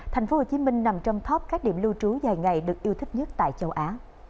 tp hcm nằm trong top các điểm lưu trú dài ngày được yêu thích nhất tại châu á